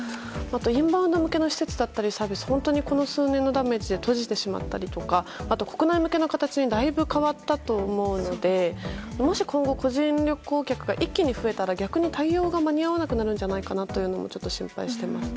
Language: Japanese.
インバウンド向けの施設だったりが本当に、この数年のダメージで閉じてしまったりとか国内向けの形にだいぶ変わったと思うのでもし今後、個人旅行客が一気に増えたら逆に対応が間に合わなくなるんじゃないかなとちょっと心配しています。